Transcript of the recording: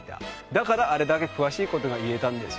だからあれだけ詳しいことが言えたんです。